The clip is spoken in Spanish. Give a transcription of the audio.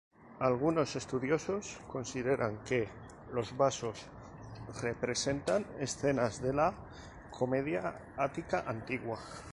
Algunos estudiosos consideran que los vasos representa escenas de la comedia ática antigua.